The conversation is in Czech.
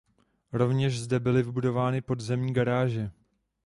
Rovněž zde byly vybudovány podzemní garáže.